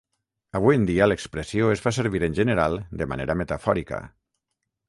Avui en dia, l'expressió es fa servir en general de manera metafòrica.